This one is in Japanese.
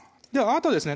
あとですね